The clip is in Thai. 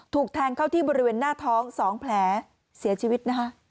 ถูกแทงเข้าที่บริเวณหน้าท้อง๒แผลเสียชีวิตนะคะ